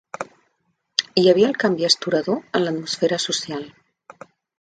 Hi havia el canvi astorador en l'atmosfera social